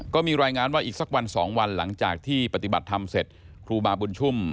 ก็มีรายงานว่าอีกสักวันสองวันหลังจากที่ปฏิบัติธรรมเสร็จครูบาบุญชุ่ม